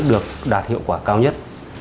được đạt hiệu quả cao nhất